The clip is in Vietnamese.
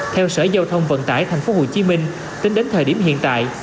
theo sở giao thông vận tải tp hcm tính đến thời điểm hiện tại